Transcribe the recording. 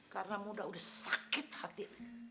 karena muda udah sakit hati